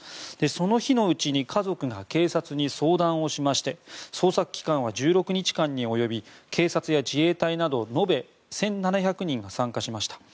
その日のうちに家族が警察に相談をしまして捜索期間は１６日間に及び警察や自衛隊など延べ１７００人が参加しました。